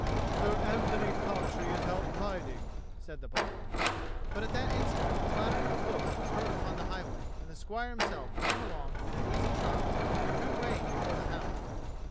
"Sir Antony Cobtree is out riding," said the butler. But at that instant a clattering of hoofs was heard upon the highway and the squire himself came along at an easy trot and drew rein before the house.